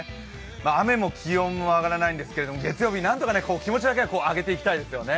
雨も気温も上がらないんですけど月曜日なんとか気持ちだけは上げていきちですよね。